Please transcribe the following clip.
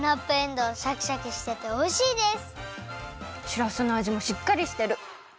しらすのあじもしっかりしてる！